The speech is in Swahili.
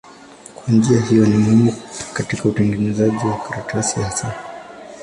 Kwa njia hiyo ni muhimu katika utengenezaji wa karatasi hasa.